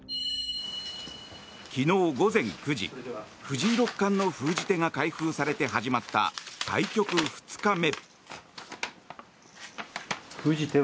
昨日午前９時藤井六冠の封じ手が開封されて始まった対局２日目。